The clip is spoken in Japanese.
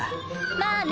まあね。